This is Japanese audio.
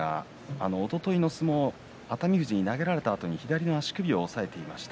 おとといの相撲、熱海富士に投げられたあとに左の足首を押さえていました。